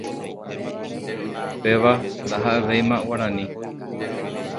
Péva ndahaʼevéima Guarani.